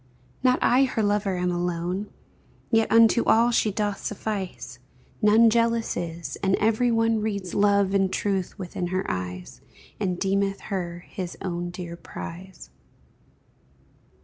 Not I her lover am alone, Yet unto all she doth suffice, None jealous is, and every one Reads love and truth within her eyes, And deemeth her his own dear prize.